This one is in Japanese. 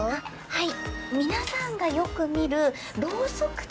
はい。